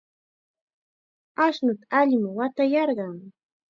Ashnuta allim watayarqan.